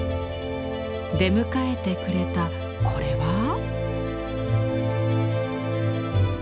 出迎えてくれたこれは？